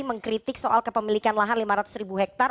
mengkritik soal kepemilikan lahan lima ratus ribu hektare